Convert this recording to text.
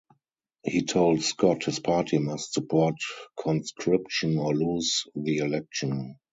He told Scott his party must support Conscription or lose the election.